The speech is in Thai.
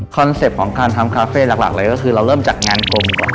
เป็ปต์ของการทำคาเฟ่หลักเลยก็คือเราเริ่มจากงานกลมก่อน